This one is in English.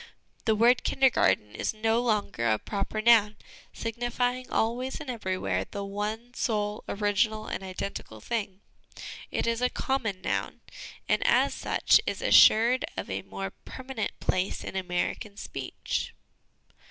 The word Kindergarten is no longer a proper noun signifying always and everywhere the one, sole, original, and identical thing. It is a common noun, and as such is assured of a more permanent place in American speech."